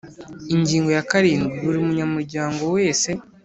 Ingingo ya karindwi Buri munyamuryango wese